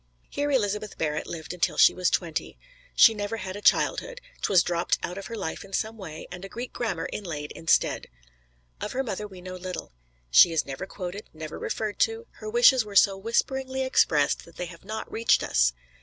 Here Elizabeth Barrett lived until she was twenty. She never had a childhood 't was dropped out of her life in some way, and a Greek grammar inlaid instead. Of her mother we know little. She is never quoted; never referred to; her wishes were so whisperingly expressed that they have not reached us.